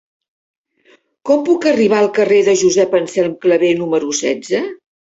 Com puc arribar al carrer de Josep Anselm Clavé número setze?